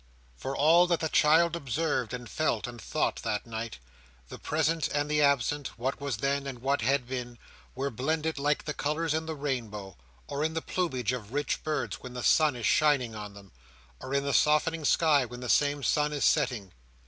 For all that the child observed, and felt, and thought, that night—the present and the absent; what was then and what had been—were blended like the colours in the rainbow, or in the plumage of rich birds when the sun is shining on them, or in the softening sky when the same sun is setting.